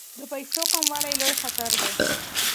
د پیسو کموالی لوی خطر دی.